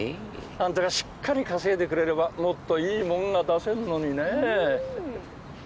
あんたがしっかり稼いでくれればもっといいもんが出せるのにね。